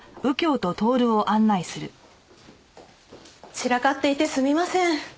散らかっていてすみません。